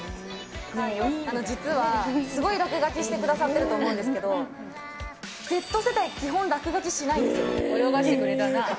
実は、すごい落書きしてくださってると思うんですけど、Ｚ世代、基本、落書きしないんで泳がしてくれたな。